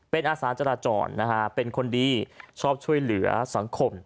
เป็นอาสาจราจรนะฮะเป็นคนดีชอบช่วยเหลือสังคม